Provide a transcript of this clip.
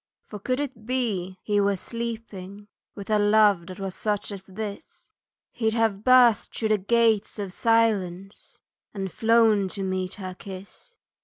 "For could it be he were sleeping. With a love that was such as this He'd have burst through the gates of silence, And flown to meet her kiss."